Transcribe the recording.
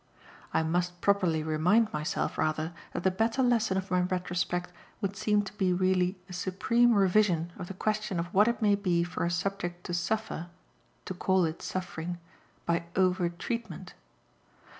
I must properly remind myself, rather, that the better lesson of my retrospect would seem to be really a supreme revision of the question of what it may be for a subject to suffer, to call it suffering, by over treatment.